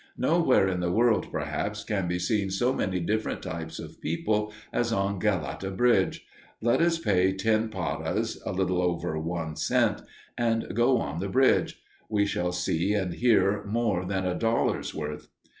Nowhere in the world, perhaps, can be seen so many different types of people as on Galata Bridge. Let us pay ten paras a little over one cent and go on the bridge; we shall see and hear more than a dollar's worth.